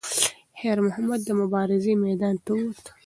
خیر محمد د مبارزې میدان ته وووت.